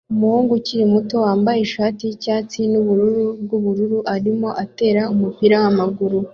Umuhungu ukiri muto wambaye ishati yicyatsi nubururu bwubururu arimo atera umupira wamaguru